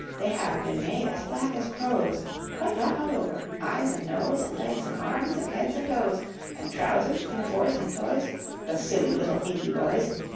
They have been made as black as crows, Quite black all over, eyes and nose, And legs, and arms, and heads, and toes, And trousers, pinafores, and toys The silly little inky boys!